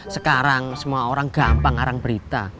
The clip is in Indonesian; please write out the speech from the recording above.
sekarang semua orang gampang arang berita